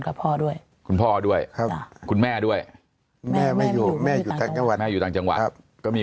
กับพ่อด้วยคุณพ่อด้วยคุณแม่ด้วยแม่อยู่ต่างจังหวัดก็มี